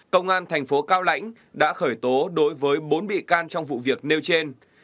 công an thành phố cao lãnh đã khởi tố đối với bốn bị can trong vụ việc nêu trên